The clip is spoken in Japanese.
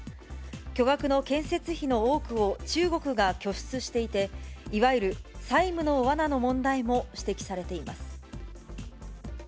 巨額の建設費の多くを中国が拠出していて、いわゆる債務のわなの問題も指摘されています。